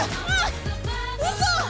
うそ！？